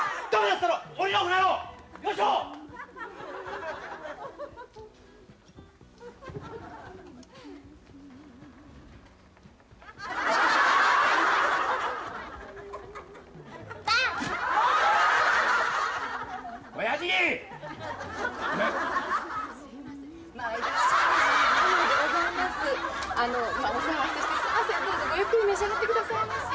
どうぞごゆっくり召し上がってくださいまし。